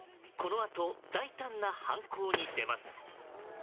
このあと、大胆な犯行に出ます。